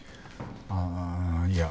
ああいや。